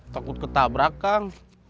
takut ketabrak kang